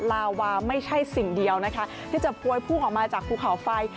ลาวาไม่ใช่สิ่งเดียวนะคะที่จะพวยพุ่งออกมาจากภูเขาไฟ